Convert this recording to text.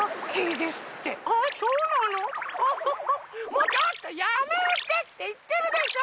もうちょっとやめてっていってるでしょ！